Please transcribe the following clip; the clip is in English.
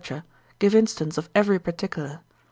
give instance of every particular.